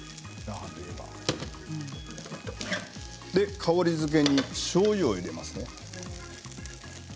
香りづけにしょうゆを入れます。